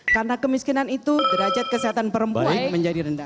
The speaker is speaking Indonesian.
karena kemiskinan itu derajat kesehatan perempuan menjadi rendah